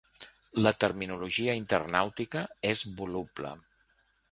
La terminologia internàutica és voluble.